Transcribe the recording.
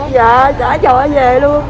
dạ trả chợ về luôn